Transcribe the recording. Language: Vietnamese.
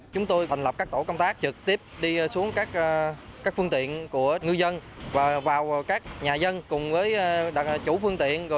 chúng tôi thành lập các tổ công tác trực tiếp đi xuống các phương tiện của ngư dân và vào các nhà dân cùng với chủ phương tiện